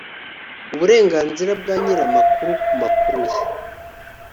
uburenganzira bwa nyir’makuru ku makuru ye